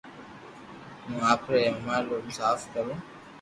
ھون آپري رومال مون صاف ڪريا